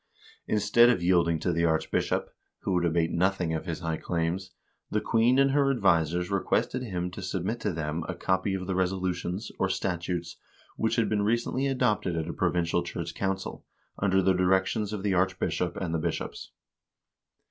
Instead of yielding to the archbishop, who would abate nothing of his high claims, the queen and her advisers requested him to submit to them a copy of the resolutions, or statutes, which had been recently adopted at a provincial church council, under the directions of the archbishop and the bishops.